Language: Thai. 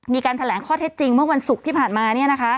มีการแถลงข้อเท็จจริงเมื่อวันศุกร์ที่ผ่านมา